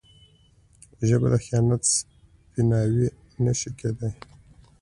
ژبه د خیانت سپیناوی نه شي کېدای.